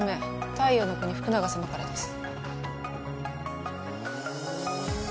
太陽ノ国福永さまからです。